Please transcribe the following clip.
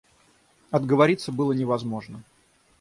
Отговориться было невозможно.